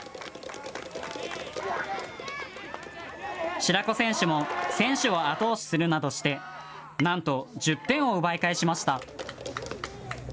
白子選手も選手を後押しするなどしてなんと１０点を奪い返しました。